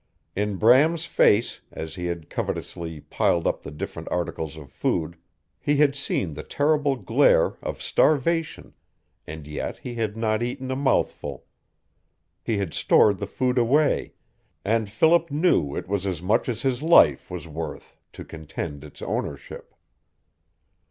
In Bram's face, as he had covetously piled up the different articles of food, he had seen the terrible glare of starvation and yet he had not eaten a mouthful. He had stored the food away, and Philip knew it was as much as his life was worth to contend its ownership.